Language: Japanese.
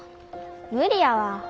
無理やわ。